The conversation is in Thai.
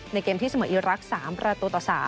เกมที่เสมออีรักษ์๓ประตูต่อ๓